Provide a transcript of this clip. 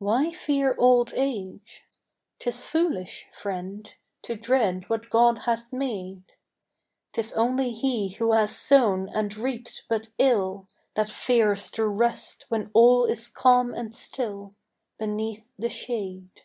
W HY fear old age? 'Tis foolish, friend, to dread what God hath made; 'Tis only he who has sown and reaped but ill That fears to rest when all is calm and still Beneath the shade.